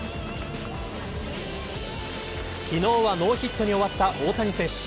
昨日は、ノーヒットに終わった大谷選手。